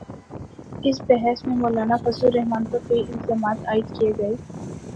اس بحث میں مولانافضل الرحمن پر کئی الزامات عائد کئے گئے،